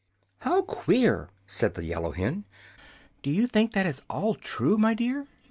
|||++ "How queer!" said the yellow hen. "Do you think that is all true, my dear?"